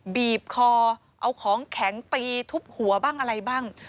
บีบคอเอาของแข็งตีทุบหัวบ้างอะไรบ้าง